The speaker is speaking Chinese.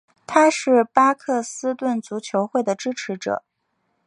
他是巴克斯顿足球会的支持者。